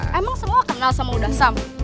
tapi emang semua kenal sama uda sam